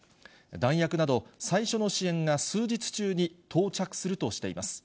弾薬など最初の支援が終日中に到着するとしています。